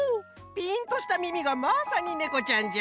ピンとしたみみがまさにねこちゃんじゃ。